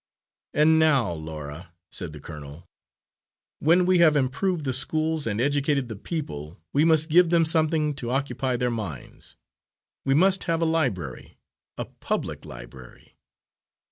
"And now, Laura," said the colonel, "when we have improved the schools and educated the people, we must give them something to occupy their minds. We must have a library, a public library."